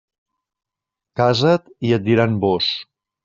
Casa't, i et diran vós.